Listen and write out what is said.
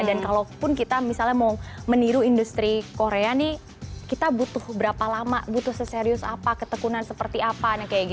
dan kalaupun kita misalnya mau meniru industri korea nih kita butuh berapa lama butuh seserius apa ketekunan seperti apa